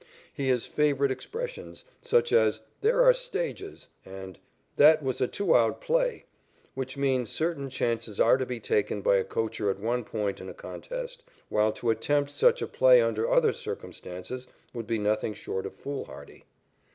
He has favorite expressions, such as "there are stages" and "that was a two out play," which mean certain chances are to be taken by a coacher at one point in a contest, while to attempt such a play under other circumstances would be nothing short of foolhardy.